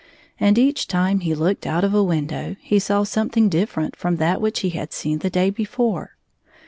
And each time he looked out of a window he saw something different from that which he had seen the day before.